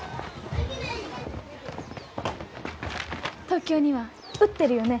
東京には売ってるよね